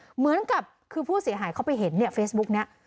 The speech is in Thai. เหมือนกับคือผู้เสียหายเขาไปเห็นเนี่ยเฟซบุ๊กนี้